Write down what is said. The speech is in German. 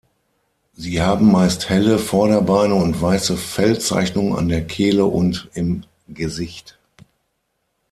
Sie haben meist helle Vorderbeine und weiße Fellzeichnung an der Kehle und im Gesicht.